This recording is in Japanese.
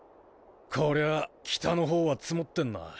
こりゃあ北の方は積もってんな。